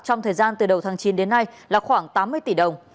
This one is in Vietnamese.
trong thời gian từ đầu tháng chín đến nay là khoảng tám mươi tỷ đồng